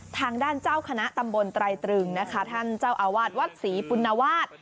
ทางด้านเจ้าคณะตำบลไตรตรึงนะคะท่านเจ้าอาวาสวัดศรีปุณวาส